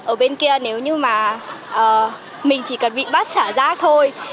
ở bên kia nếu như mà mình chỉ cần bị bắt xả rác thôi